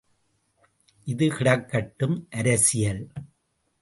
இது கிடக்கட்டும், அரசியல்!